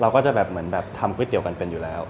เราก็จะเหมือนทำก๋วยเตี๋ยวกันเป็นอยู่แล้ว